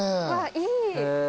いい。